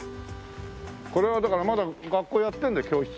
これはだからまだ学校やってんだ教室。